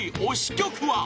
曲は？